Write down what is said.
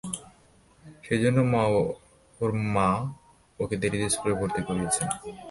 সেজন্যই, ওর মা ওকে দেরিতে স্কুলে ভর্তি করিয়েছে।